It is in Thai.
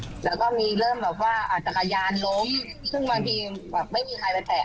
แล้วก็มีเริ่มแบบว่าจักรยานล้มซึ่งบางทีแบบไม่มีใครไปแตะ